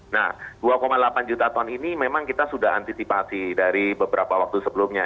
nah dua delapan juta ton ini memang kita sudah antisipasi dari beberapa waktu sebelumnya